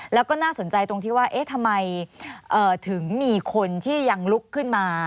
แล้วก็น่าสนใจตรงที่ว่าเอ๊ะทำไมถึงมีคนที่ยังลุกขึ้นมา